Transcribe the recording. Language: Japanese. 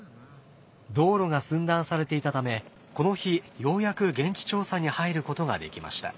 道路が寸断されていたためこの日ようやく現地調査に入ることができました。